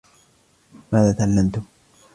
ماذا تعلّمتم ؟